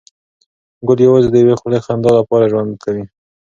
ګل یوازې د یوې خولې خندا لپاره ژوند کوي.